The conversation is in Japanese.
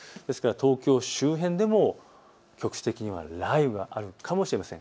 東京周辺でも局地的には雷雨があるかもしれません。